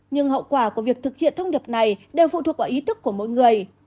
nhưng hậu quả của việc thực hiện thông điệp này đều phụ thuộc vào ý thức của mỗi người